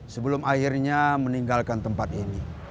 sebelum akhirnya meninggalkan tempat ini